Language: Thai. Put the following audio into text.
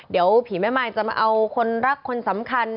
เดี๋ยวผีแม่มายจะมาเอาคนรักคนสำคัญ